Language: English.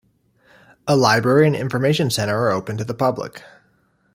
A library and information centre are open to the public.